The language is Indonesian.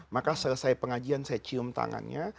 maka selesai pengajian saya cium tangannya